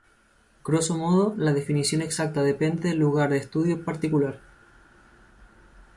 Grosso modo, la definición exacta depende del campo de estudio particular.